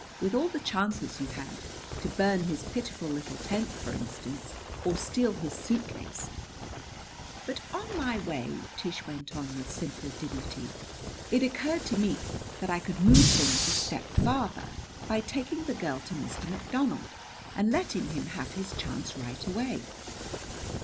With all the chances you had to burn his pitiful little tent, for instance, or steal his suitcase " "But on my way," Tish went on with simple dignity, "it occurred to me that I could move things a step farther by taking the girl to Mr. McDonald and letting him have his chance right away.